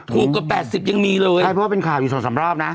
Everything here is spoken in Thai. ถูกกว่า๘๐ยังมีเลยใช่เพราะว่าเป็นข่าวอยู่สองสามรอบนะ